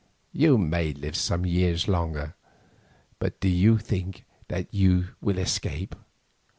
You may live some years longer, but do you think that you shall escape?